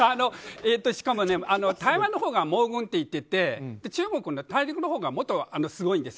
しかも台湾のほうが網軍っていって中国、大陸のほうがもっとすごい。